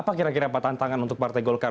apa kira kira pak tantangan untuk partai golkar